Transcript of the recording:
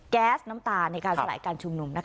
แก๊สน้ำตาในการสลายการชุมนุมนะครับ